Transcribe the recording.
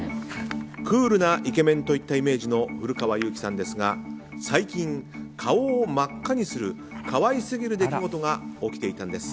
クールなイケメンといったイメージの古川雄輝さんですが最近、顔を真っ赤にする可愛すぎる出来事が起きていたんです。